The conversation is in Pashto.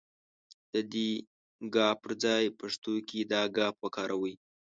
د دې ګ پر ځای پښتو کې دا گ وکاروئ.